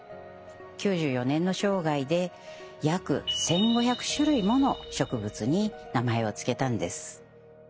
９４年の生涯で約１，５００種類もの植物に名前を付けたんです。